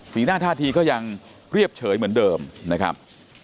หน้าท่าทีก็ยังเรียบเฉยเหมือนเดิมนะครับ